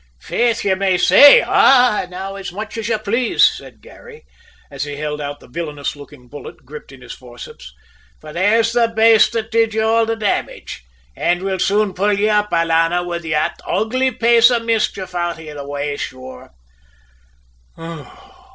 "Faith, you may say `ah' now as much as you please," said Garry, as he held out the villainous looking bullet gripped in his forceps. "For there's the baste that did you all the damage, an' we'll soon pull you up, alannah, with that ugly paice of mischief out of the way, sure!"